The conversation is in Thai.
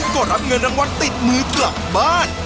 ก็รับเงินรางวัลติดมือกลับบ้าน